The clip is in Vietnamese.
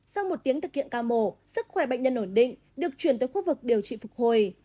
sau một tiếng thực hiện ca mổ sức khỏe bệnh nhân ổn định được chuyển tới khu vực điều trị phục hồi